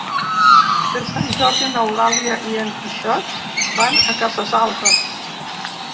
Per Sant Jordi n'Eulàlia i en Quixot van a Cases Altes.